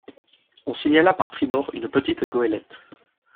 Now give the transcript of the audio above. On signala par tribord une petite goëlette.